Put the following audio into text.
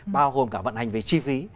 bao gồm cả vận hành về chi phí